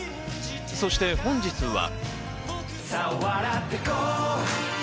そして本日は。